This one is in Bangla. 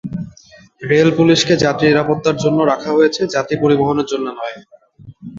রেল পুলিশকে যাত্রী নিরাপত্তার জন্য রাখা হয়েছে, যাত্রী পরিবহনের জন্য নয়।